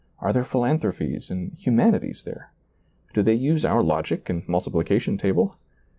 are there philan thropies and humanities there? do they use our logic and multiplication table?